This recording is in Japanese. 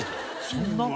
そんな？